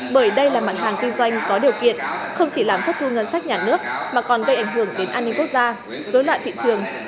bởi đây là mặt hàng kinh doanh có điều kiện không chỉ làm thất thu ngân sách nhà nước mà còn gây ảnh hưởng đến an ninh quốc gia dối loạn thị trường